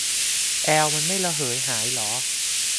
แอลมันไม่ระเหยหายเหรอ